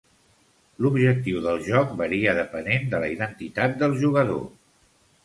L'objectiu del joc varia depenent de la identitat del jugador.